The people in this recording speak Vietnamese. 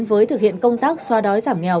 với thực hiện công tác xoa đói giảm nghèo